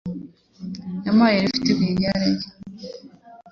Yampaye lift mu igare rye.